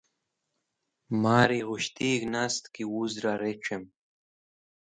Mari ghusht nast ki wuz dra rec̃hẽm